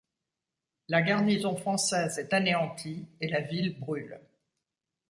La garnison française est anéantie et la ville brûle.